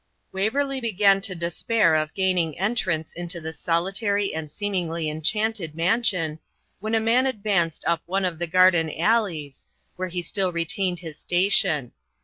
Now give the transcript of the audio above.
Waverley began to despair of gaining entrance into this solitary and seemingly enchanted mansion, when a man advanced up one of the garden alleys, where he still retained his station.